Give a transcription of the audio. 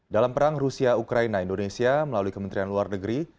dalam perang rusia ukraina indonesia melalui kementerian luar negeri